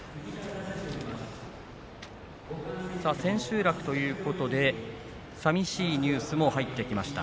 千秋楽ということでさみしいニュースも入ってきました。